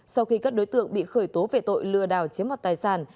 sau khi các đối tượng bị khởi tố vệ tội lừa đảo chiếm hoạt tài sản